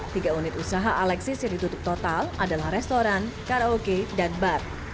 tiga unit usaha alexis yang ditutup total adalah restoran karaoke dan bar